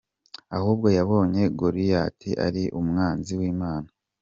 Ahubwo yabonye Goliath ari umwanzi w’Imana.